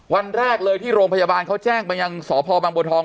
วันแรกเลยที่โรงพยาบาลเขาแจ้งไปยังสพบางบัวทอง